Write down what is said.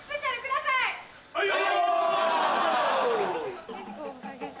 はいよ！